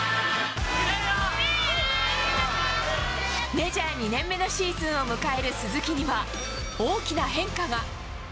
メジャー２年目のシーズンを迎える鈴木には、大きな変化が。